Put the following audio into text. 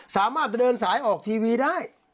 สามารถเดินสายออกทีวีได้